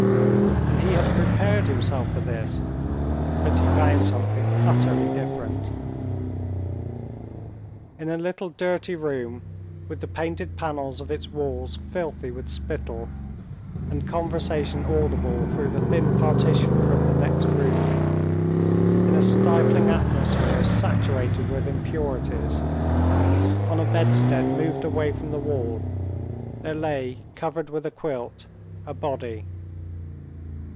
And he had prepared himself for this; but he found something utterly different. In a little dirty room with the painted panels of its walls filthy with spittle, and conversation audible through the thin partition from the next room, in a stifling atmosphere saturated with impurities, on a bedstead moved away from the wall, there lay covered with a quilt, a body.